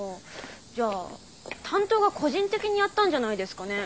じゃあ担当が個人的にやったんじゃないですかねー。